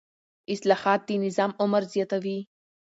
اصلاحات د نظام عمر زیاتوي